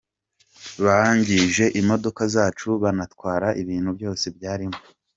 Bangije imodoka zacu banatwara ibintu byose byarimo.”